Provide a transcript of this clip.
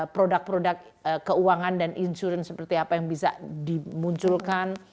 produk produk keuangan dan insurance seperti apa yang bisa dimunculkan